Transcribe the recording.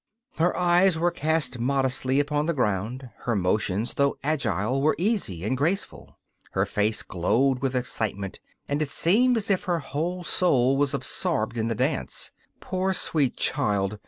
Her eyes were cast modestly upon the ground; her motions, though agile, were easy and graceful; her face glowed with excitement, and it seemed as if her whole soul were absorbed in the dance. Poor, sweet child!